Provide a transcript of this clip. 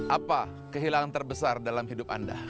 apa kehilangan terbesar dalam hidup anda